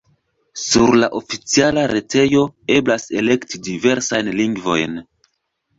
Sur la oficiala retejo eblas elekti diversajn lingvojn.